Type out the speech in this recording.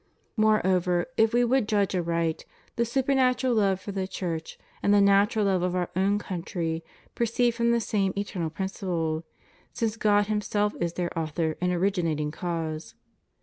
Moreover, if we would judge aright, the supernatural love for the Church and the natural love of our own coimtry proceed from the same eternal principle, since God himself is their Author and originating Cause.